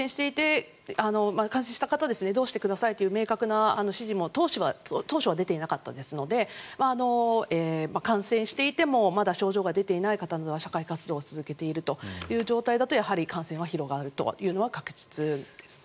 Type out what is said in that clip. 感染した方どうしてくださいという明確な指示も当初は出ていなかったですので感染していてもまだ症状が出ていない方が社会活動を続けているという状態だとやはり感染は広がるというのは確実ですね。